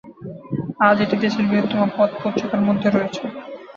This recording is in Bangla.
আজ, এটি দেশের বৃহত্তম পথ পত্রিকার মধ্যে রয়েছে।